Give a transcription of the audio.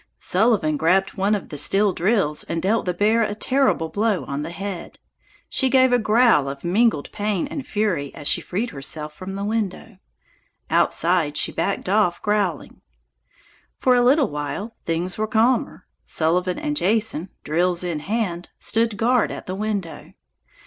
Sullivan grabbed one of the steel drills and dealt the bear a terrible blow on the head. She gave a growl of mingled pain and fury as she freed herself from the window. Outside she backed off growling. For a little while things were calmer. Sullivan and Jason, drills in hand, stood guard at the window.